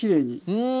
うん！